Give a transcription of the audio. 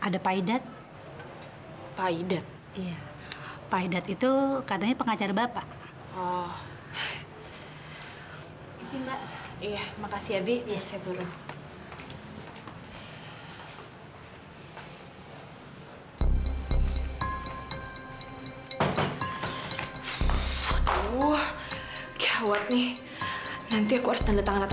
jadi minta tolong ini dibacakan dulu